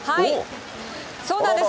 そうなんです。